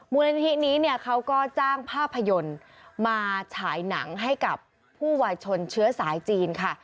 มูลนิธินี้เนี่ยเขาก็จ้างภาพยนตร์มาฉายหนังให้กับผู้วายชนเชื้อสายจีนค่ะ